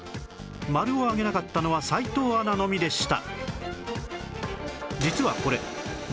丸を上げなかったのは斎藤アナのみでした